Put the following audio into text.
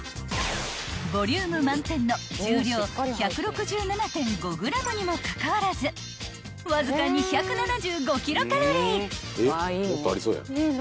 ［ボリューム満点の重量１６７．５ｇにもかかわらずわずか２７５キロカロリー］